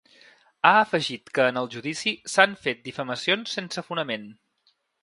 Ha afegit que en el judici s’han fet difamacions sense fonament.